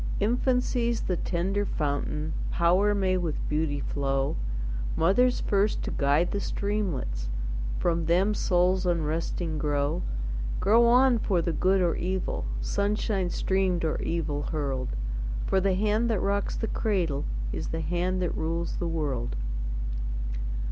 Infancy's the tender fountain, Power may with beauty flow, Mother's first to guide the streamlets, From them souls unresting grow Grow on for the good or evil, Sunshine streamed or evil hurled; For the hand that rocks the cradle Is the hand that rules the world.